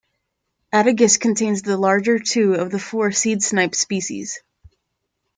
Attagis contains the larger two of the four seedsnipe species.